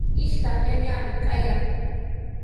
Ishkan ñañami kayan.